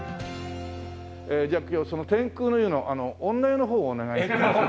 じゃあ今日その天空の湯の女湯の方をお願いします。